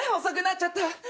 遅くなっちゃった。